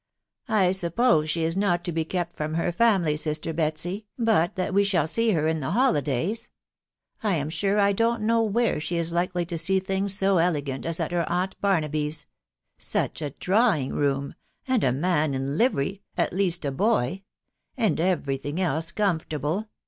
..... I suppose she is not . to be kept from, her iamily, sister Betsy, but that we shall fa? her ia..the holydzys. . I am sure I dWt know ^w^w^a ia ihzljr to see thigga so elegant as at her a\mt B&xrfcaWa. •. Such ».drawing.room !.,. and a man in livery, at least* boy, and every thing else* conformable.